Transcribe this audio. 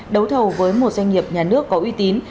đấu thầu với một doanh nghiệp nhà nước có uy tín